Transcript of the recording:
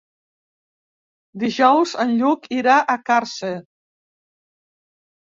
Dijous en Lluc irà a Càrcer.